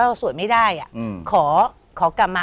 สวดไม่ได้ขอกลับมา